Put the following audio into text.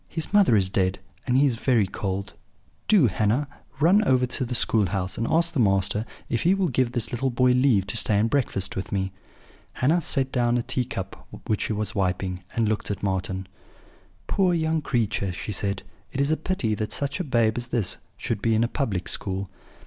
His mother is dead, and he is very cold! Do, Hannah, run over to the school house, and ask the master if he will give this little boy leave to stay and breakfast with me.' "Hannah set down a tea cup which she was wiping, and looking at Marten: "'Poor young creature!' she said. 'It is a pity that such a babe as this should be in a public school.